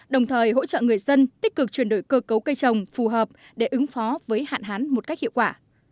đồng thời hỗ trợ người dân tích cực chuyển đổi cơ cấu cây trồng phù hợp để ứng phó với hạn hán một cách hiệu quả